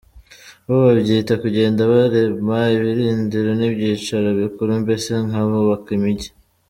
Bo babyita kugenda barema ibirindiro n’ibyicaro bikuru, mbese nk’abubaka imijyi.